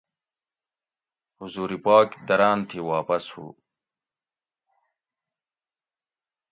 حضور پاک دراٞن تھی واپس ہُو